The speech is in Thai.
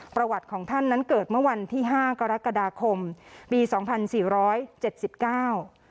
ประวัติของท่านนั้นเกิดเมื่อวันที่ห้ากรกฎาคมปีสองพันสี่ร้อยเจ็ดสิบเก้า